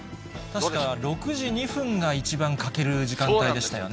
確か６時２分が一番欠ける時間帯でしたよね。